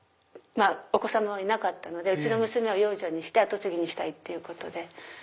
お子様はいなかったのでうちの娘を養女にして後継ぎにしたいっていうことで。